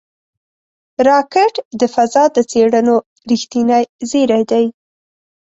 راکټ د فضا د څېړنو رېښتینی زېری دی